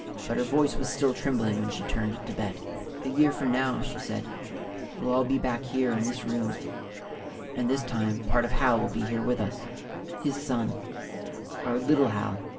But her voice was still trembling when she turned to Bet. "A year from now," she said, "we'll all be back here in this room and, this time, part of Hal will be here with us his son, our little Hal."